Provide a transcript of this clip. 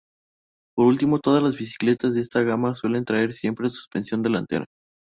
Por último todas las bicicletas de esta gama suelen traer siempre suspensión delantera.